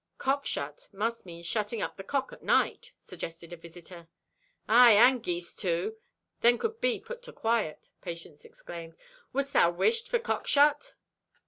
"Cockshut must mean shutting up the cock at night," suggested a visitor. "Aye, and geese, too, then could be put to quiet," Patience exclaimed. "Wouldst thou wish for cockshut?"